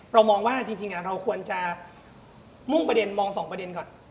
เรามองว่าจริงเราควรจะมุ่งประเด็นมองสองประเด็นก่อน